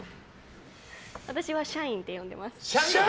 私はシャインって呼んでます。